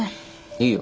いいよ。